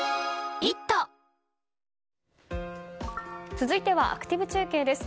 続いてアクティブ中継です。